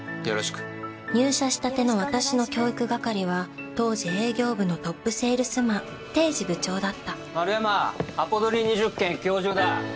よろしく入社したての私の教育係は当時営業部のトップセールスマン堤司部長だった丸山アポ取り２０件今日中だ。